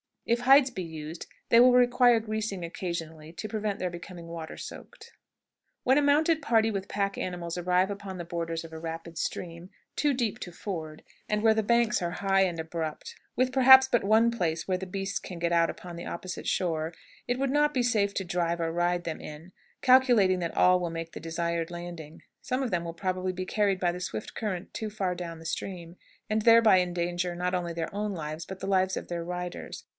If hides be used they will require greasing occasionally, to prevent their becoming water soaked. [Illustration: CROSSING A STREAM.] When a mounted party with pack animals arrive upon the borders of a rapid stream, too deep to ford, and where the banks are high and abrupt, with perhaps but one place where the beasts can get out upon the opposite shore, it would not be safe to drive or ride them in, calculating that all will make the desired landing. Some of them will probably be carried by the swift current too far down the stream, and thereby endanger not only their own lives, but the lives of their riders.